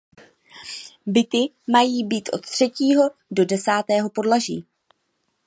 Byty mají být od třetího do desátého podlaží.